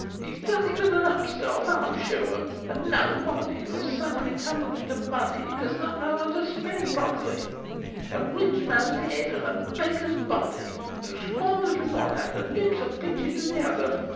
He is nothing but an upstart, I am sure, a nobody, who has suddenly tumbled into money he does not know how to spend properly, a rich man's head and a beggar's body, who squanders with one hand and nips and pinches with the other.